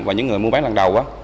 và những người mua bán lần đầu